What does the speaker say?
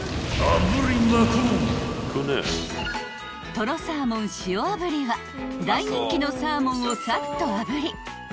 ［とろサーモン塩炙りは大人気のサーモンをさっと炙りトロットロ